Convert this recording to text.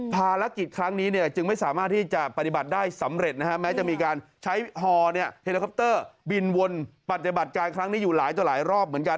ภารกิจครั้งนี้เนี่ยจึงไม่สามารถที่จะปฏิบัติได้สำเร็จนะฮะแม้จะมีการใช้ฮอเนี่ยเฮลิคอปเตอร์บินวนปฏิบัติการครั้งนี้อยู่หลายต่อหลายรอบเหมือนกัน